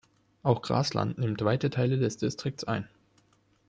Auch Grasland nimmt weite Teile des Distrikts ein.